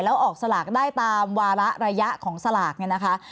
แล้วออกสลากได้ตามวาระระยะของสลากเนี่ยนะคะ